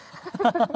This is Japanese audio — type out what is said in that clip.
ハハハハ！